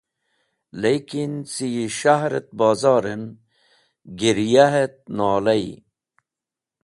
Likin cẽ yi s̃hahr et bozor en giryah et nolayi.